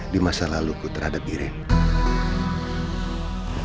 di masa lalu ku terhadap iren